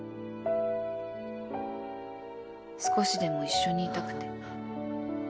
少しでも一緒にいたくて